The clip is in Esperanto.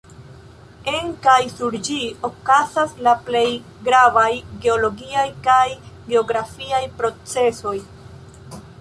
En kaj sur ĝi okazas la plej gravaj geologiaj kaj geografiaj procesoj.